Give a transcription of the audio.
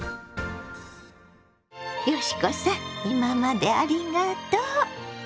嘉子さん今までありがとう！